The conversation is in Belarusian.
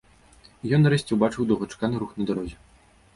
І ён, нарэшце, убачыў доўгачаканы рух на дарозе.